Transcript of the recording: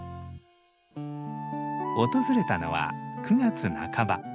訪れたのは９月半ば。